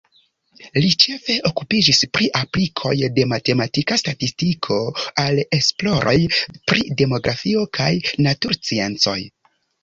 Li ĉefe okupiĝis pri aplikoj de matematika statistiko al esploroj pri demografio kaj natursciencoj.